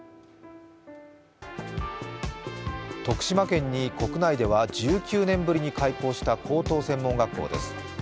徳島県に国内では１９年ぶりに開校した高等専門学校です。